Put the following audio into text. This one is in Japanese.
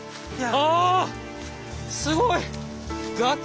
あすごい！崖！